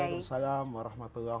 waalaikumsalam warahmatullahi wabarakatuh